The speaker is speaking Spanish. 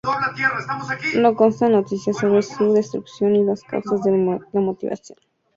No constan noticias sobre su destrucción y las causas que lo motivaron.